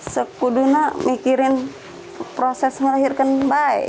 sekudu nak mikirin proses melahirkan bayi